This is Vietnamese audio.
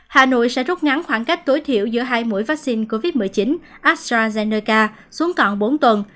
hà nội sẽ rút ngắn khoảng cách tối thiểu giữa hai mũi vaccine covid một mươi chín astrazeneca xuống còn bốn tuần